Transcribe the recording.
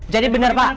jadi bener pak